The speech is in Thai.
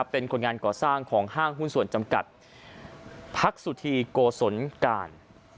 เป็นคนงานก่อสร้างของห้างหุ้นส่วนจำกัดพักสุธีโกศลการ